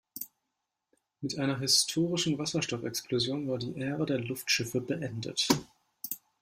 Mit einer historischen Wasserstoffexplosion war die Ära der Luftschiffe beendet.